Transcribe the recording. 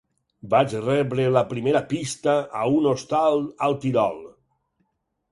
Vaig rebre la primera pista a un hostal al Tirol.